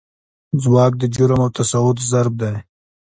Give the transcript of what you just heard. ځواک د جرم او تساعد ضرب دی.